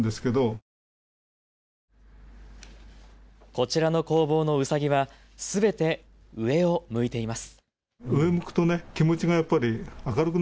こちらの工房のうさぎはすべて上を向いています。